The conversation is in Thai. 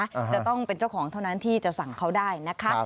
จะต้องเป็นเจ้าของเท่านั้นที่จะสั่งเขาได้นะคะ